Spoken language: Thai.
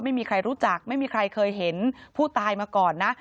ไม่มีคลัยรู้จักเคยเห็นผู้ตายมาก่อน